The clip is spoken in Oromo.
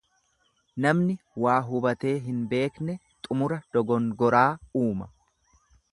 Namni waa hubatee hin beekne xumura dogongoraa uuma.